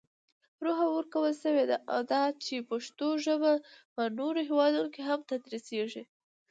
روحیه ورکول شوې ده، دا چې پښتو ژپه په نورو هیوادونو کې هم تدرېسېږي.